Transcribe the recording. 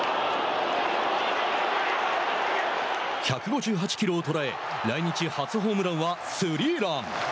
１５８キロを捉え来日初ホームランはスリーラン。